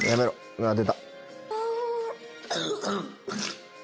うわ出た。